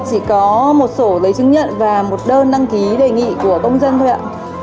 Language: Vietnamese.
chỉ có một sổ giấy chứng nhận và một đơn đăng ký đề nghị của công dân thôi ạ